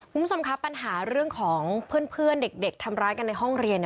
คุณผู้ชมครับปัญหาเรื่องของเพื่อนเด็กทำร้ายกันในห้องเรียน